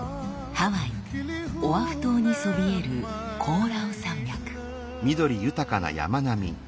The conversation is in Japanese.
ハワイオアフ島にそびえるコオラウ山脈。